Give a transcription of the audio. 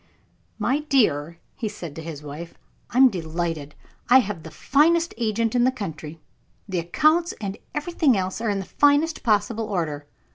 "My dear," he said to his wife, "I am delighted. I have the finest agent in the country. The accounts and everything else are in the finest possible order.